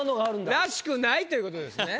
らしくないということですね。